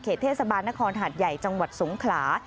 เทศบาลนครหาดใหญ่จังหวัดสงขลา